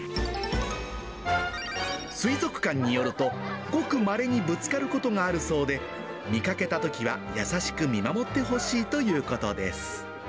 水族館によると、ごくまれにぶつかることがあるそうで、見かけたときは、優しく見守ってほしいということです。